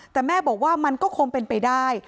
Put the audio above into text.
แต่แม่บอกว่ามันก็คงเป็นไปได้